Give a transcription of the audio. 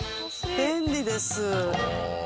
便利です。